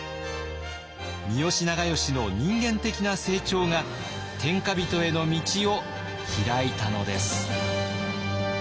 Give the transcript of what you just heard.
三好長慶の人間的な成長が天下人への道を開いたのです。